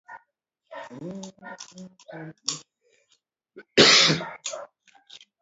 Ok a riembi.